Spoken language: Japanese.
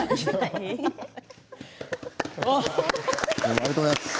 ありがとうございます。